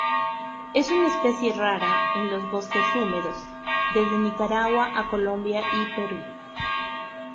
Es una especie rara en los bosques húmedos, desde Nicaragua a Colombia y Perú.